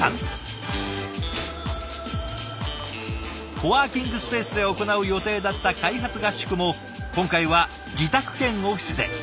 コワーキングスペースで行う予定だった開発合宿も今回は自宅兼オフィスで。